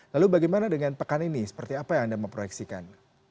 lalu bagaimana dengan pekan ini seperti apa yang anda memproyeksikan